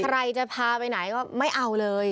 ใครจะพาไปไหนก็ไม่เอาเลย